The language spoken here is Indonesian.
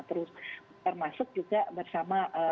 termasuk juga bersama